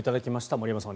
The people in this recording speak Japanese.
森山さん